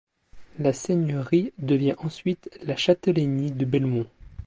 La seigneurie devient ensuite la châtellenie de Belmont.